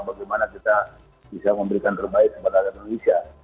bagaimana kita bisa memberikan terbaik kepada rakyat indonesia